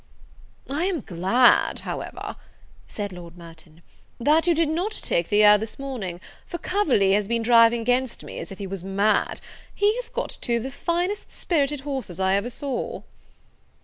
"I am glad, however," said Lord Merton, "that you did not take the air this morning, for Coverley has been driving against me as if he was mad: he has got two of the finest spirited horses I ever saw."